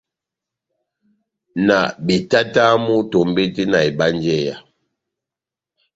Na betatamu tombete na ebanjeya.